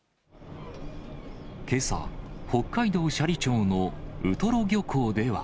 けさ、北海道斜里町のウトロ漁港では。